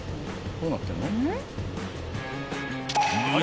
どうなってんの？